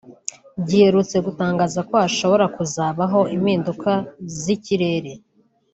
giherutse gutangaza ko hashobora kuzabaho impinduka z’ikirere